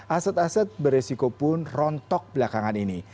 aset aset beresiko pun rontok belakangan ini